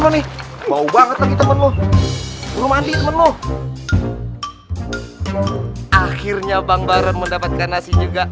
lu mau banget lagi temen lu belum mandi temen lu akhirnya bang bareng mendapatkan nasi juga